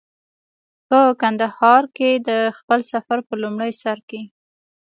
په کندهار کې د خپل سفر په لومړي سر کې.